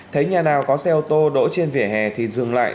thấy nhà nào có xe ô tô đỗ trên vỉa hè thì dừng lại